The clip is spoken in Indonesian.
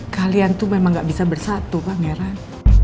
kalian tuh memang enggak bisa bersatu pak meran